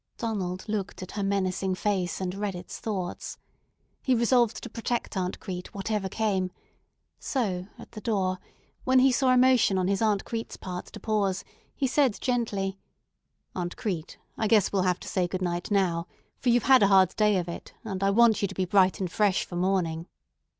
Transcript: Donald looked at her menacing face, and read its thoughts. He resolved to protect Aunt Crete, whatever came; so at the door, when he saw a motion on his Aunt Crete's part to pause, he said gently: "Aunt Crete, I guess we'll have to say 'Good night' now; for you've had a hard day of it, and I want you to be bright and fresh for morning.